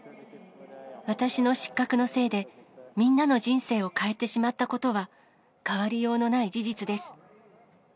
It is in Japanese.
私の失格のせいで、みんなの人生を変えてしまったことは変わりようのない事実です。